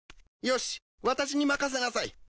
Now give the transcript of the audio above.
よし私に任せなさい。